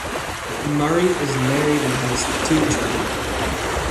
Murray is married and has two children.